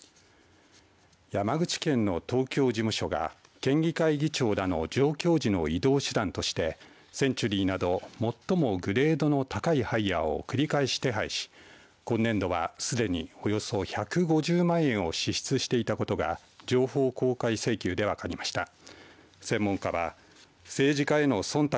山口県の東京事務所が県議会議長らの上京時の移動手段としてセンチュリーなど最もグレードの高いハイヤーを繰り返し、手配し今年度はすでにおよそ１５０万円を支出していたことが情報公開請求で分かりました。